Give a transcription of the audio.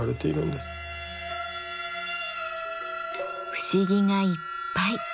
不思議がいっぱい。